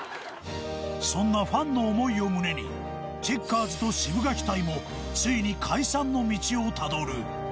そんなファンの思いを胸にチェッカーズとシブがき隊もついに解散の道をたどる。